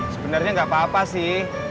sebenarnya nggak apa apa sih